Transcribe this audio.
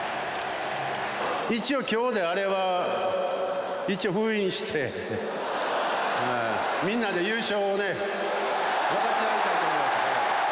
一応きょうで、アレは一応封印して、みんなで優勝をね、分かち合いたいと思います。